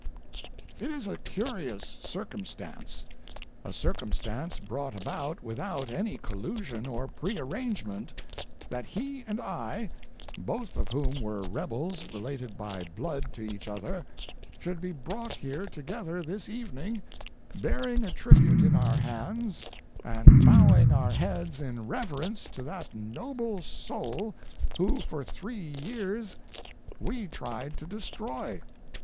It is a curious circumstance, a circumstance brought about without any collusion or prearrangement, that he and I, both of whom were rebels related by blood to each other, should be brought here together this evening bearing a tribute in our hands and bowing our heads in reverence to that noble soul who for three years we tried to destroy.